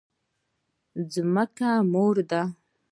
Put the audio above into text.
ځمکه مور ده؟